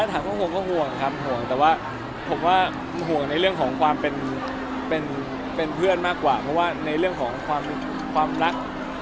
ถามก็ห่วงก็ห่วงครับห่วงแต่ว่าผมว่าห่วงในเรื่องของความเป็นเพื่อนมากกว่าเพราะว่าในเรื่องของความรัก